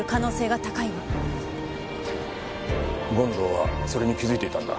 権藤はそれに気づいていたんだ。